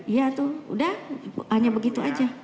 iya tuh udah hanya begitu aja